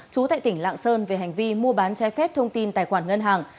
chú tại tỉnh lạng sơn về hành vi mua bán trái phép thông tin tài khoản ngân hàng